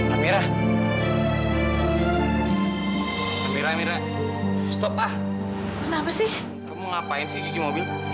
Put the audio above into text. amirah amirah amirah stop ah kenapa sih kamu ngapain sih gigi mobi